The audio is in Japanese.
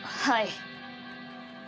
はい。